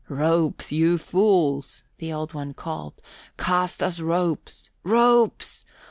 "Ropes, you fools!" the Old One called. "Cast us ropes! Ropes!